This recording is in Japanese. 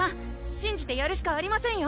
しんじてやるしかありませんよ